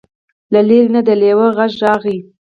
له لرې نه د لیوه غږ راغی.